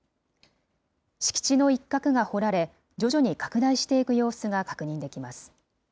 敷地の一角が掘られ、徐々に拡大していく様子が確認できます。